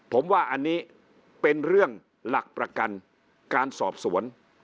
ผมว่าอันนี้เป็นเรื่องหลักประกันการสอบสวน